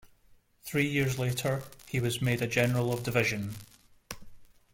Three years later he was made a general of division.